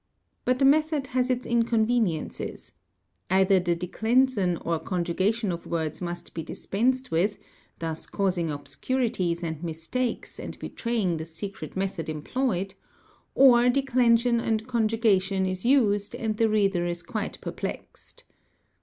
But the method has its inconveniences—either the de '/ t ee |;} b clension or conjugation of words must be dispensed with, thus causing _ obscurities and mistakes and betraying the secret method employed, or declension and conjugation is used and the reader is quite perplexed.